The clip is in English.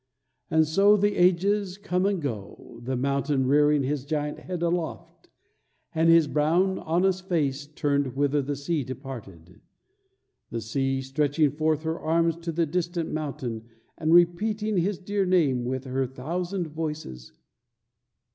And so the ages come and go, the mountain rearing his giant head aloft, and his brown, honest face turned whither the sea departed; the sea stretching forth her arms to the distant mountain and repeating his dear name with her thousand voices.